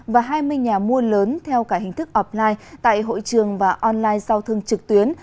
và hai mươi nhà mua lớn theo cả hình thức offline tại hội trường và online giao thương trực tuyến